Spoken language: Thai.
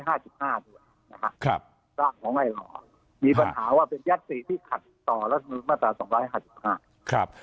มีปัญหาว่าเป็นยัตริย์ที่ขัดต่อรัฐมนุษย์มาตรา๒๕๕